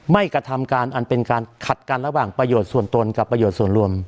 กระทำการอันเป็นการขัดกันระหว่างประโยชน์ส่วนตนกับประโยชน์ส่วนรวม